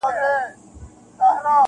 واری د تېراه دی ورپسې مو خیبرونه دي-